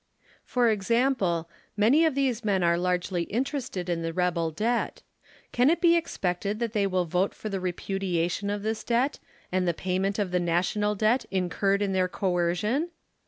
For example, many of these men are largely interested in the rebel debt. Can it be expected that they will vote for the repudiation of this debt and the payment of the I^Tational debt, incurred in their coercion